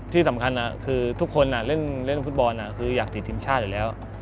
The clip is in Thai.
ที่สำคัญคือทุกคนเล่นฟุตบอลคืออยากติดทีมชาติอยู่แล้ว